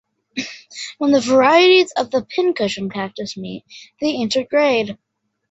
Where the varieties of the pincushion cactus meet, they intergrade.